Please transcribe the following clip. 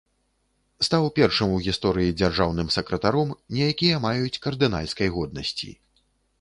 Стаў першым у гісторыі дзяржаўным сакратаром, не якія маюць кардынальскай годнасці.